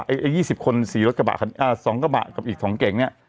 ไอ้ยี่สิบคนสี่รถกระบะอ่าสองกระบะกับอีกสองเก่งเนี้ย